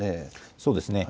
そうですね。